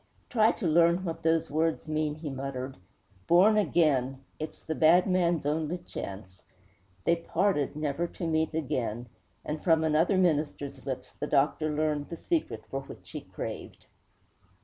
'Try to learn what those words mean,' he muttered. 'Born again! It's the bad man's only chance.' They parted, never to meet again; and from another minister's lips the doctor learned the secret for which he craved.